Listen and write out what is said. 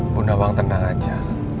bu nawang tenang aja